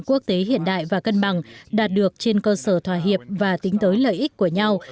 quốc tế hiện đại và cân bằng đạt được trên cơ sở thỏa hiệp và tính tới lợi ích của nhau